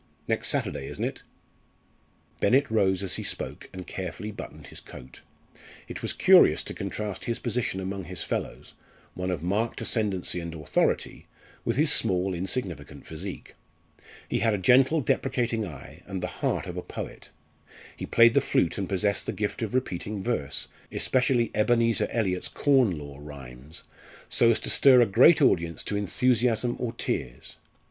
Next Saturday, isn't it?" Bennett rose as he spoke and carefully buttoned his coat. It was curious to contrast his position among his fellows one of marked ascendency and authority with his small insignificant physique. He had a gentle deprecating eye, and the heart of a poet. He played the flute and possessed the gift of repeating verse especially Ebenezer Eliot's Corn Law Rhymes so as to stir a great audience to enthusiasm or tears.